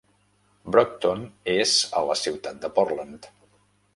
Brocton és a la ciutat de Portland.